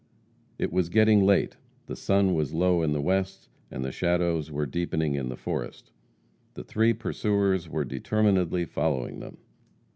It was getting late; the sun was low in the west, and the shadows were deepening in the forest. The three pursuers were determinedly following them.